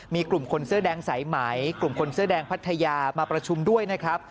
มีกลุ่มคนเสื้อแดงสายไหมกลุ่มคนเสื้อแดงพัทยามาประชุมด้วยนะครับ